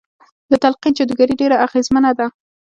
د تلقين جادوګري ډېره اغېزمنه ده.